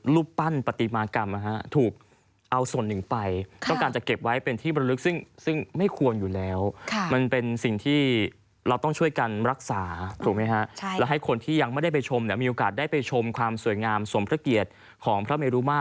รูปปั้นปฏิบันกรรม